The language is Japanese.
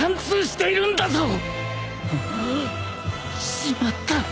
しまった！